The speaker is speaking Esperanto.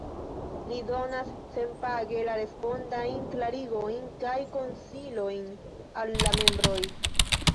Li donas senpage la respondajn klarigojn kaj konsilojn al la membroj.